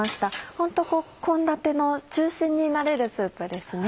ホント献立の中心になれるスープですね。